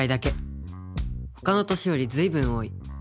ほかの年よりずいぶん多い。